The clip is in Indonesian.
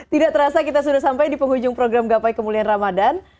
tidak terasa kita sudah sampai di penghujung program gapai kemuliaan ramadhan